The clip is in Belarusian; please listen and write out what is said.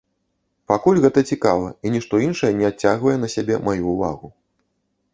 Пакуль гэта цікава, і нішто іншае не адцягвае на сябе маю ўвагу.